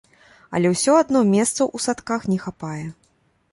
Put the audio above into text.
Але ўсё адно месцаў у садках не хапае.